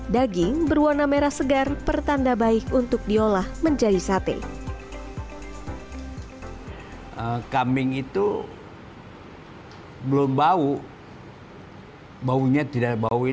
daging berwarna merah segar pertanda baik untuk diolah menjadi sate